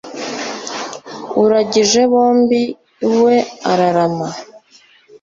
uragije bombi we ararama